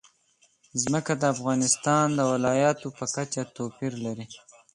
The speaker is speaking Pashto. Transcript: ځمکه د افغانستان د ولایاتو په کچه توپیر لري.